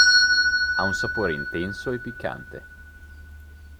Ha un sapore intenso e piccante.